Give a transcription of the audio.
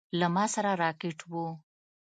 له ما سره راکټ و.